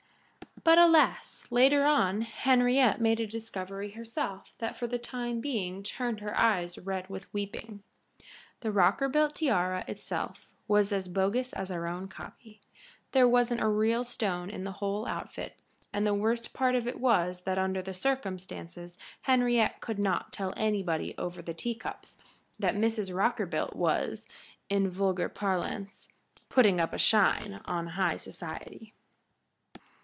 But, alas! later on Henriette made a discovery herself that for the time being turned her eyes red with weeping. The Rockerbilt tiara itself was as bogus as our own copy. There wasn't a real stone in the whole outfit, and the worst part of it was that under the circumstances Henriette could not tell anybody over the teacups that Mrs. Rockerbilt was, in vulgar parlance, "putting up a shine" on high society.